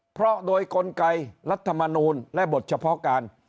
เพราะโดยกลไกรัฐมนูลและบทเฉพาะการ